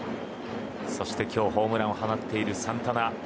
そして今日ホームランを放っているサンタナ。